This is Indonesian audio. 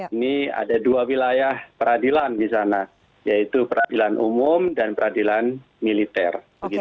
ini ada dua wilayah peradilan di sana yaitu peradilan umum dan peradilan militer